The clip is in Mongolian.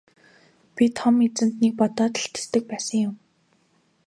Би Том эзэнтнийг бодоод л тэсдэг байсан юм.